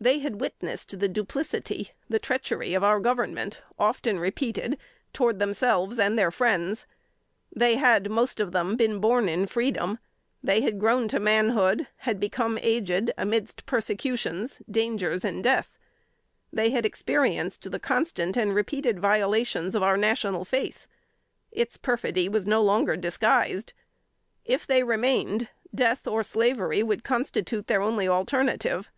They had witnessed the duplicity, the treachery of our Government often repeated, toward themselves and their friends they had, most of them, been born in freedom they had grown to manhood, had become aged amidst persecutions, dangers and death they had experienced the constant and repeated violations of our national faith: its perfidy was no longer disguised; if they remained, death or slavery would constitute their only alternative.